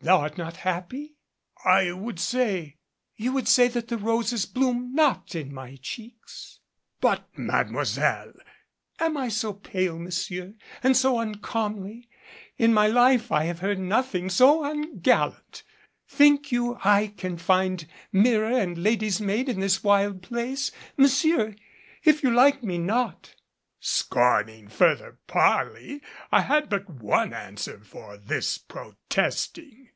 Thou art not happy!" "I would say " "You would say that the roses bloom not in my cheeks " "But, Mademoiselle " "Am I so pale, monsieur? And so uncomely? In my life I have heard nothing so ungallant! Think you I can find mirror and lady's maid in this wild place? Monsieur if you like me not " Scorning further parley, I had but one answer for this protesting.